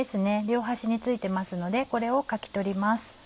両端に付いてますのでこれをかき取ります。